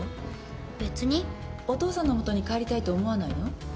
お父さんの元に帰りたいと思わないの？